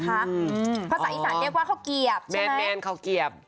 พระศาสตร์อีสานเรียกว่าข้าวเกียบใช่ไหมแมนข้าวเกียบ